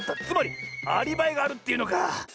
つまりアリバイがあるっていうのか。